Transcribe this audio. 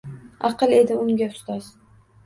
Аql edi unga ustoz